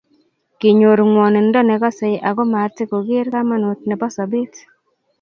Kinyor gwonindo negase ago matigogeer kamanut nebo sobet